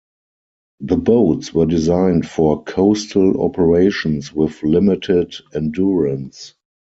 The boats were designed for coastal operations, with limited endurance.